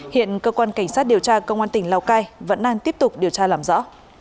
hiện cơ quan cảnh sát điều tra công an tỉnh lào cai vẫn đang tiếp tục điều tra làm rõ